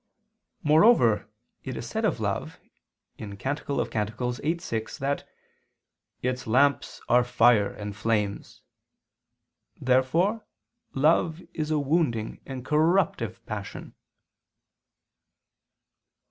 Moreover it is said of love (Cant 8:6) that "its lamps are fire and flames." Therefore love is a wounding and corruptive passion.